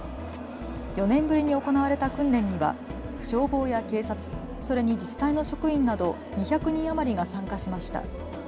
４年ぶりに行われた訓練には消防や警察、それに自治体の職員など２００人余りが参加しました。